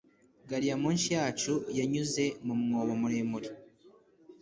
Gari ya moshi yacu yanyuze mu mwobo muremure.